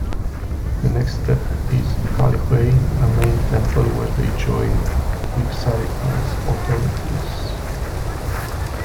The next step is "kalihuey", a Main Temple where they join Wixarica's authorities.